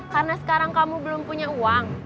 karena sekarang kamu belum punya uang